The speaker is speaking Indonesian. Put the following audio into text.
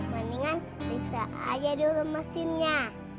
mendingan bisa aja dulu mesinnya